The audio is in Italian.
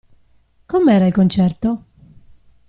Com'era il concerto?